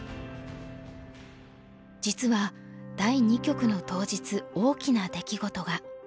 実は第２局の当日大きな出来事が。